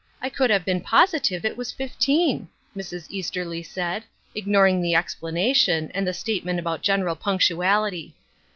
I could have been positive it was fifteen '" Mrs. Easterly said, ignoring the explanation, and the statement about general punctuality.